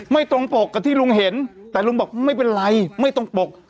ไม่ตรงปกกับที่ลุงเห็นแต่ลุงบอกไม่เป็นไรไม่ตรงปก